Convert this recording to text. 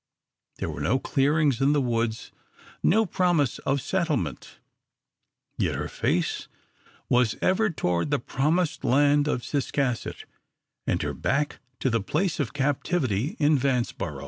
There were no clearings in the woods, no promise of settlement, yet her face was ever toward the promised land of Ciscasset, and her back to the place of captivity in Vanceboro.